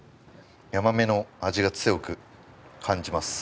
ヤマメの味が強く感じます。